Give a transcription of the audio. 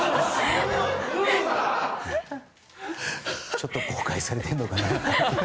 ちょっと後悔されてるのかな。